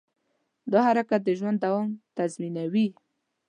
دا حرکت د ژوند دوام تضمینوي.